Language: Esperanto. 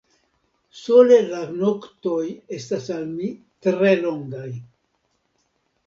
Sole la noktoj estas al mi tre longaj.